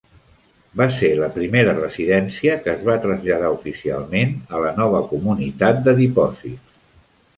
Va ser la primera residència que es va traslladar oficialment a la nova comunitat de dipòsits.